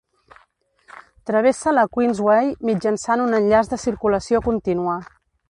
Travessa la Queensway mitjançant un enllaç de circulació continua.